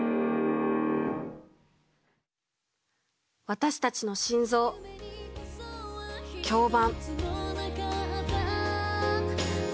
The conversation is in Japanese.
私たちの心臓響板。